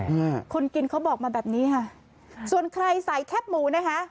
ฮะคนกินเขาบอกมาแบบนี้ค่ะส่วนใครใส่แคบหมูนะคะ